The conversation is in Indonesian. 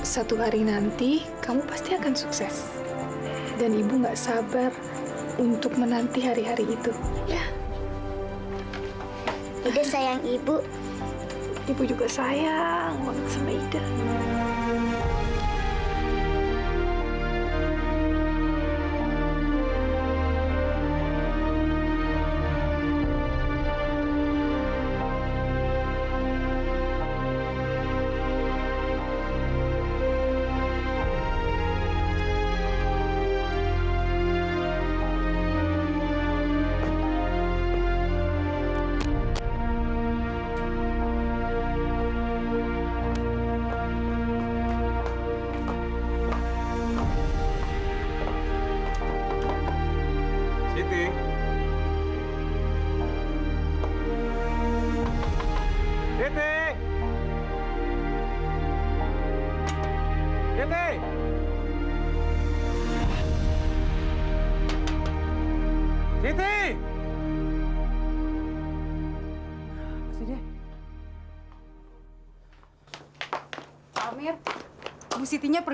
sampai jumpa di video selanjutnya